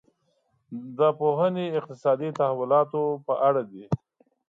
دا پوهنې اقتصادي تحولاتو په اړه دي.